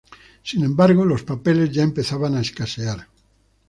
Sin embargo, los papeles ya empezaban a escasear.